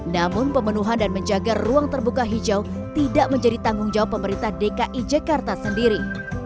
namun pemenuhan dan menjaga ruang terbuka hijau tidak menjadi tanggung jawab pemerintah dki jakarta sendiri